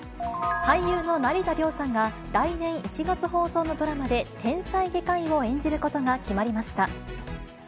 俳優の成田凌さんが、来年１月放送のドラマで、天才外科医を演じることが決まりました。